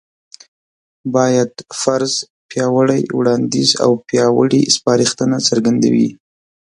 بايد: فرض، پياوړی وړانديځ او پياوړې سپارښتنه څرګندوي